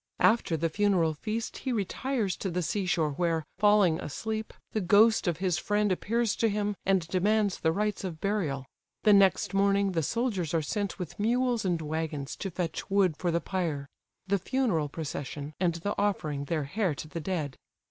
After the funeral feast he retires to the sea shore, where, falling asleep, the ghost of his friend appears to him, and demands the rites of burial; the next morning the soldiers are sent with mules and waggons to fetch wood for the pyre. The funeral procession, and the offering their hair to the dead.